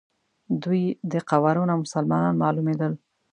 دوی د قوارو نه مسلمانان معلومېدل.